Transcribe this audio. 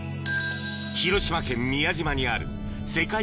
広島県宮島にある世界